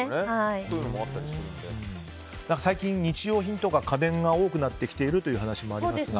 最近、日用品とか家電が多くなってきているという話もありますが。